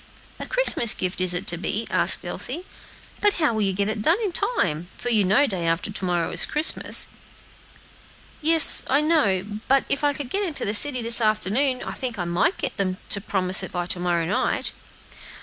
"A Christmas gift is it to be?" asked Elsie; "but how will you get it done in time? for you know day after to morrow is Christmas." "Yes, I know; but if I could get into the city this afternoon, I think I might get them to promise it by to morrow night."